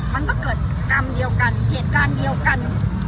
มันก็เกิดกรรมเดียวกันเหตุการณ์เดียวกัน